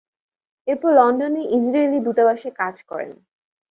এরপরে লন্ডনে ইসরায়েলি দূতাবাসে কাজ করেন।